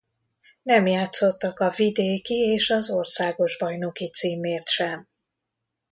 Nem játszottak a vidéki és az országos bajnoki címért sem.